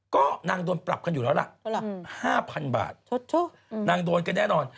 ก็นางโดนปรับกันอยู่แล้วล่ะ๕๐๐๐บาทนางโดนกันแน่นอน